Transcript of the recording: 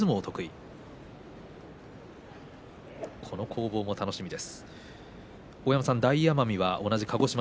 その攻防も楽しみです。